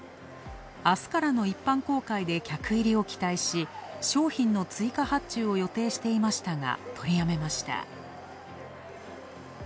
あすからの一般公開で客入りを期待し、商品の追加発注を予定していましたが、取りやめました。